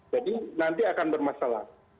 jadi nanti akan bermasalah